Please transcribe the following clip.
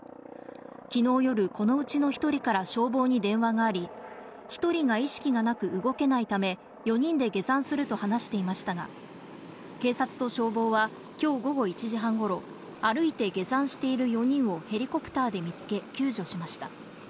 きのう夜、このうちの１人から消防に電話があり、１人が意識がなく動けないため、４人で下山すると話していましたが、警察と消防はきょう午後１時半ごろ、歩いて下山している４人をヘリコプターで見つけ、救助しました。